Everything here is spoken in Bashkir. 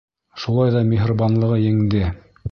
Шулай ҙа миһырбанлығы еңде.